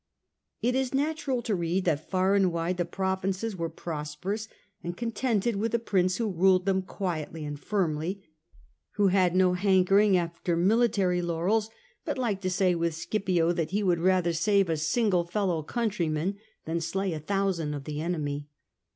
It is natural to read that far and wide the provinces were prosperous and contented with a prince who ruled though them quietly and firmly, who had no hankering wars were after military laurels, but liked to say with needful. Scipio that he would rather save a single fellow countryman than slay a thousand of the enemy.